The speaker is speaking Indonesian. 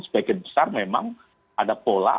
sebagian besar memang ada pola